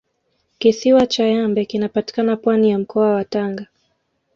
kisiwa cha yambe kinapatikana pwani ya mkoa wa tanga